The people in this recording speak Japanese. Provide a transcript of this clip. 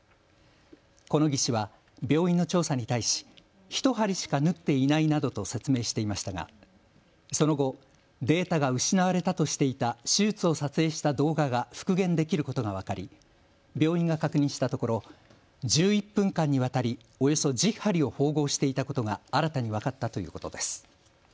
この技士は病院の調査に対し１針しか縫っていないなどと説明していましたが、その後、データが失われたとしていた手術を撮影した動画が復元できることが分かり病院が確認したところ１１分間にわたりおよそ１０針を縫合していたことが新たに分かったということです。